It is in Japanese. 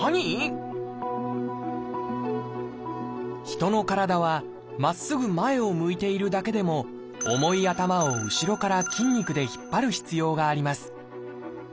ヒトの体はまっすぐ前を向いているだけでも重い頭を後ろから筋肉で引っ張る必要があります。